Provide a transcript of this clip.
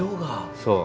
そう。